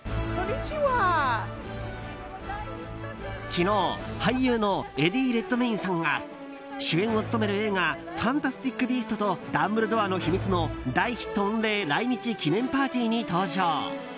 昨日、俳優のエディ・レッドメインさんが主演を務める映画「ファンタスティック・ビーストとダンブルドアの秘密」の大ヒット御礼来日記念パーティーに登場。